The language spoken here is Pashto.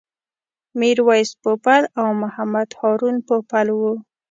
میرویس پوپل او محمد هارون پوپل و.